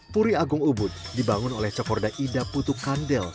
puri agung ubud dibangun oleh cokorda ida putu kandel